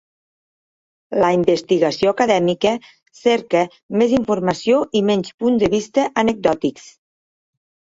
La investigació acadèmica cerca més informació i menys punts de vista anecdòtics.